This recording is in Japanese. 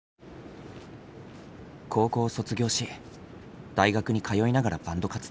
高校を卒業し大学に通いながらバンド活動。